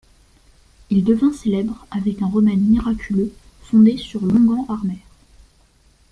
Il devint célèbre avec un remède miraculeux fondé sur l’onguent armaire.